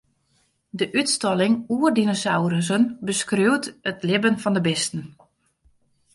De útstalling oer dinosaurussen beskriuwt it libben fan de bisten.